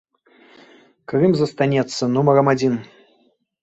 Крым застанецца нумарам адзін.